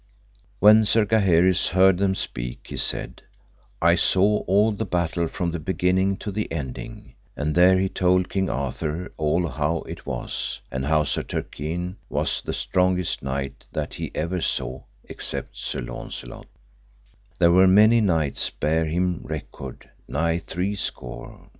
When Sir Gaheris heard them speak, he said, I saw all the battle from the beginning to the ending, and there he told King Arthur all how it was, and how Sir Turquine was the strongest knight that ever he saw except Sir Launcelot: there were many knights bare him record, nigh three score.